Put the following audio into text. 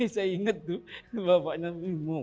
saya ingat tuh bapaknya bimo